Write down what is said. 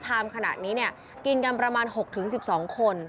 ชามขนาดนี้นี่กินกันประมาณ๖ถึง๑๒คน